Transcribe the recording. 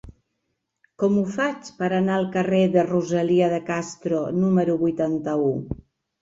Com ho faig per anar al carrer de Rosalía de Castro número vuitanta-u?